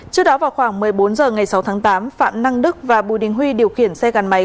trước đó vào khoảng một mươi bốn h ngày sáu tháng tám phạm năng đức và bùi đình huy điều khiển xe gắn máy